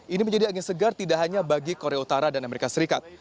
ini menjadi angin segar tidak hanya bagi korea utara dan amerika serikat